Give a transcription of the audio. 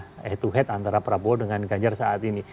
head to head antara prabowo dengan ganjar saat ini